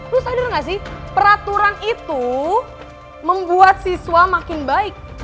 lu sadar gak sih peraturan itu membuat siswa makin baik